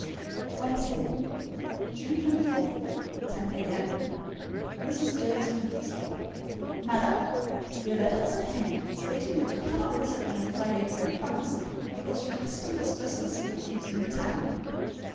Wednesday, June 24, 10 A.M. MRS. JERVIS PENDLETON. Madam: Your letter is at hand, stating that you cannot visit me on Friday per promise, because your husband has business that keeps him in town.